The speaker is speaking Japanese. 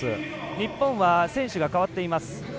日本は選手が代わっています。